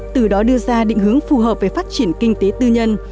từ đó đưa ra định hướng phù hợp về phát triển kinh tế tư nhân